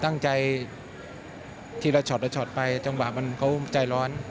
ตั้งใจทีละช็อตไปจะบ่าเนี่ยใจร้อน